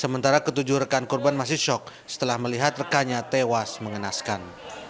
sementara ketujuh rekan korban masih shock setelah melihat rekannya tewas mengenaskan